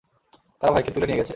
তারা ভাইকে তুলে নিয়ে গেছে।